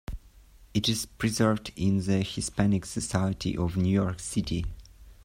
It is preserved in the Hispanic Society of New York City.